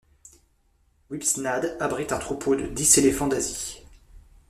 Whipsnade abrite un troupeau de dix éléphants d'Asie.